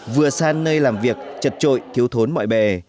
vừa san nơi làm việc chật trội thiếu thốn mọi bề